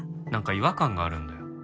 違和感があるんだよ。